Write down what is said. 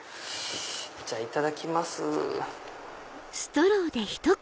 じゃあいただきます。